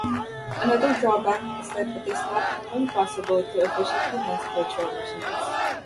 Another drawback is that it is not normally possible to efficiently nest virtual machines.